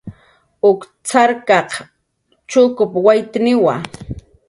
Urq cxarkaq chukup waytniwa